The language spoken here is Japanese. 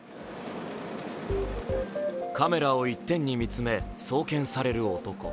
カメラを一点に見つめ送検される男。